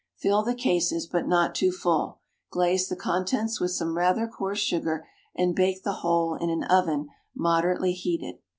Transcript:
Fill the cases, but not too full; glaze the contents with some rather coarse sugar, and bake the whole in an oven moderately heated.